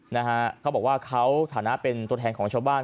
นะฮะเขาบอกว่าเขาฐานะเป็นตัวแทนของชาวบ้าน